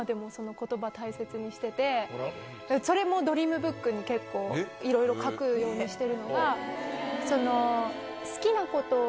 それもドリームブックに結構いろいろ書くようにしてるのが。